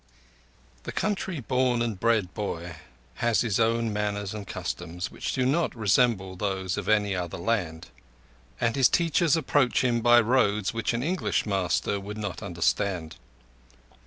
The country born and bred boy has his own manners and customs, which do not resemble those of any other land; and his teachers approach him by roads which an English master would not understand.